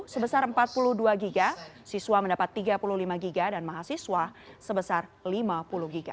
sebesar empat puluh dua giga siswa mendapat tiga puluh lima giga dan mahasiswa sebesar lima puluh giga